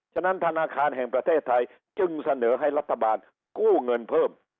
ฉะนั้นธนาคารแห่งประเทศไทยจึงเสนอให้รัฐบาลกู้เงินเพิ่ม